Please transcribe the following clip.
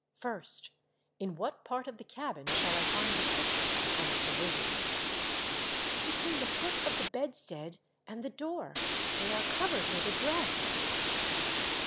First, in what part of the cabin shall I lind the pitcher and the provisions ?" "Between the foot of the bedstead and the door. They are covered with a dress."